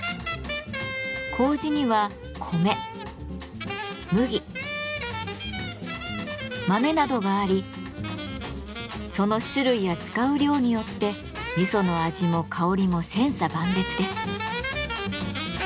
麹には米麦豆などがありその種類や使う量によって味噌の味も香りも千差万別です。